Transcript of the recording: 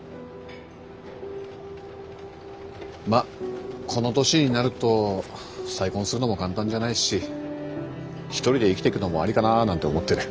まあこの年になると再婚するのも簡単じゃないし一人で生きてくのもありかななんて思ってる。